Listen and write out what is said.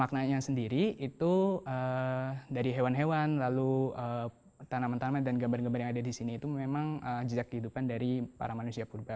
maknanya sendiri itu dari hewan hewan lalu tanaman tanaman dan gambar gambar yang ada di sini itu memang jejak kehidupan dari para manusia purba